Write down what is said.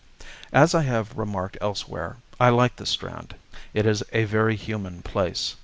As I have remarked elsewhere, I like the Strand. It is a very human place.